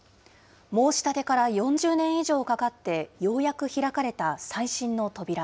申し立てから４０年以上かかってようやく開かれた再審の扉。